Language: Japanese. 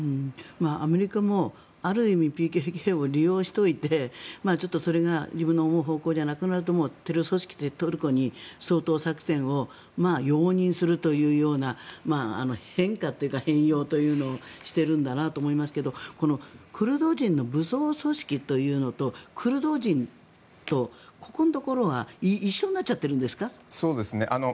アメリカも、ある意味ＰＫＫを利用しておいてそれが自分の思う方向じゃなくなるとテロ組織、トルコに掃討作戦を容認するというような変化というか変容をしているんだなと思いますがクルド人の武装祖域というのとクルド人とここのところが一緒になっちゃっているんですか？